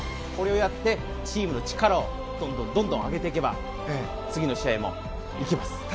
これをやって、チームの力をどんどんどんどん上げていけば次の試合も行けます。